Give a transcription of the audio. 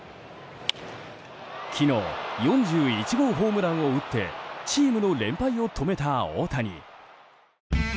昨日４１号ホームランを打ってチームの連敗を止めた大谷。